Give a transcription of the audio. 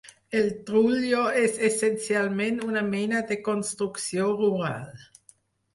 El trullo és essencialment una mena de construcció rural.